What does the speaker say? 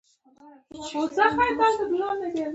په افغانستان کې پامیر د خلکو لپاره ډېر اهمیت لري.